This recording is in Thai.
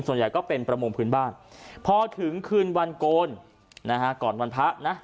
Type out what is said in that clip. ส่วนใหญ่ก็เป็นประมงพื้นบ้านพอถึงคืนวันโกนนะฮะก่อนวันพระนะ